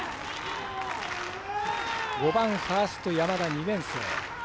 ５番ファースト、山田２年生。